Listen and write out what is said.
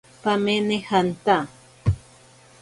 Pamene janta.